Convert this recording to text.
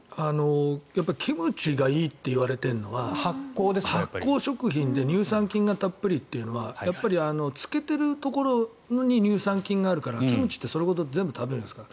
キムチがいいって言われているのは発酵食品で乳酸菌がたっぷりというのはやっぱり漬けているところに乳酸菌があるからキムチってそのまま全部食べるじゃないですか。